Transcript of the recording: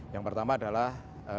yang pertama adalah